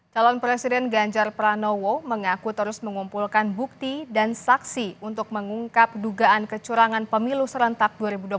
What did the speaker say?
calon presiden ganjar pranowo mengaku terus mengumpulkan bukti dan saksi untuk mengungkap dugaan kecurangan pemilu serentak dua ribu dua puluh empat